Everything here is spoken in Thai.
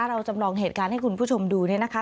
เราจำลองเหตุการณ์ให้คุณผู้ชมดูเนี่ยนะคะ